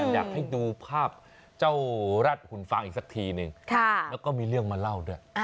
อยากให้ดูภาพเจ้าแรดหุ่นฟางอีกสักทีนึงแล้วก็มีเรื่องมาเล่าด้วย